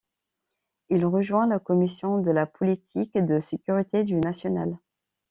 Il rejoint la commission de la politique de sécurité du national.